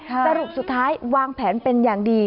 สรุปสุดท้ายวางแผนเป็นอย่างดี